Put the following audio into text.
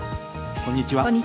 こんにちは。